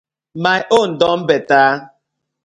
My own don better.